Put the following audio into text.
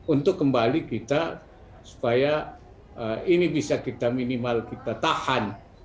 untuk kembali kita supaya ini bisa kita minimal kita tahan